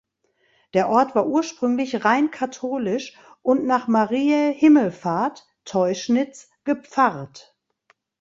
Der Ort war ursprünglich rein katholisch und nach Mariä Himmelfahrt (Teuschnitz) gepfarrt.